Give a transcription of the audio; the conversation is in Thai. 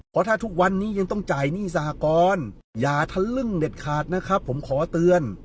เพราะถ้าทุกวันนี้ยังต้องจ่ายหนี้สหกรณ์อย่าทะลึ่งเด็ดขาดนะครับผมขอเตือน